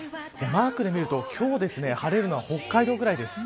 マークで見ると今日晴れるのは北海道ぐらいです。